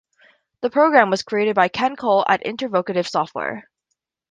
The program was created by Ken Cole at InterVocative Software.